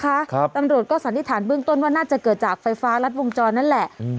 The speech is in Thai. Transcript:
ครับตำรวจก็สันนิษฐานเบื้องต้นว่าน่าจะเกิดจากไฟฟ้ารัดวงจรนั่นแหละอืม